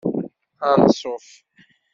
Anṣuf.